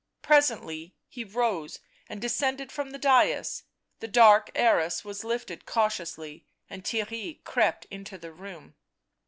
Presently he rose and descended from the dais ; the dark arras was lifted cautiously, and Theirry crept into the room.